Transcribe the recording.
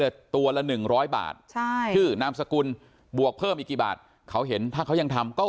ตัวละ๑๐๐บาทใช่ชื่อนามสกุลบวกเพิ่มอีกกี่บาทเขาเห็นถ้าเขายังทำก็